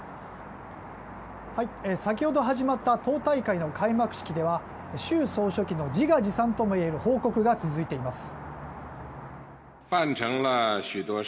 先ほど始まった党大会の開幕式では習総書記の自画自賛ともいえる報告が続いています。